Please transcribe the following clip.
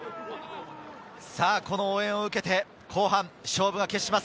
応援を受けて、後半勝負が決します。